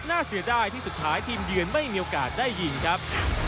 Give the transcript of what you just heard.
เสียดายที่สุดท้ายทีมเยือนไม่มีโอกาสได้ยิงครับ